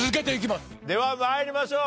では参りましょう。